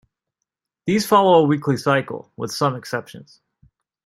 These follow a weekly cycle, with some exceptions.